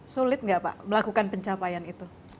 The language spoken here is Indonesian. sulit nggak pak melakukan pencapaian itu